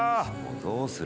どうする？